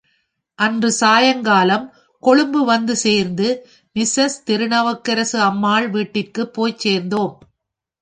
அன்று சாயங்காலம் கொழும்பு வந்து சேர்ந்து, மிஸஸ் திருநாவுக்கரசு அம்மாள் வீட்டிற்குப் போய்ச் சேர்ந்தோம்.